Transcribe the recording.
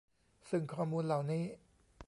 ซึ่งข้อมูลเหล่านี้